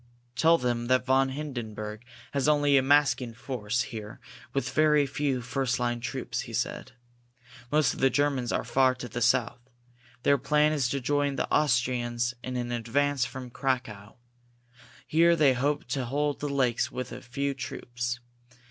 "Tell them that von Hindenburg has only a masking force here with very few first line troops," he said. "Most of the Germans are far to the south. Their plan is to join the Austrians in an advance from Cracow. Here they hope to hold the lakes with a few troops.